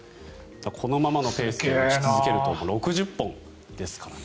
このままのペースで打ち続けると６０本ですからね。